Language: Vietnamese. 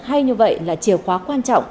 hay như vậy là chiều khóa quan trọng